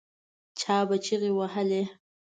چا به چیغې وهلې.